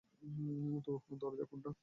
তো দরজা কোনটা?